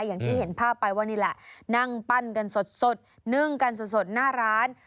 อย่างที่เห็นภาพไปว่านี่แหละนั่งปั้นกันสดนึ่งกันสดหน้าร้าน